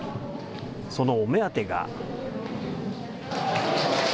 そのお目当てが。